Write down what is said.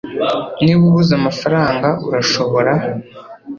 Niba ubuze amafaranga urashobora